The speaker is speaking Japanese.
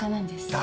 誰？